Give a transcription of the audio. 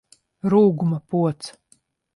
Rūguma pods!